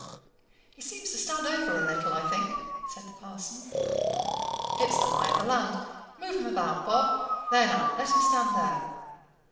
"He seems to stand over a little, I think," said the parson. "It's the lie of the ground. Move him about, Bob. There now, let him stand there."